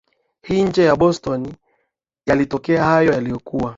Hill nje ya Boston yalitokea Hayo yalikuwa